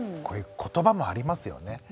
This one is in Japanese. こういうことばもありますよね。